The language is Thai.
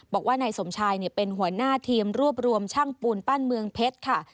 บอกว่านายสมชายเป็นหัวหน้าทีมรวบรวมช่างปูนปั้นเมืองเพชรค่ะ